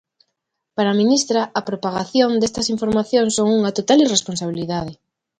Para a ministra a propagación destas informacións son unha "total irresponsabilidade".